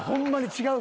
違う。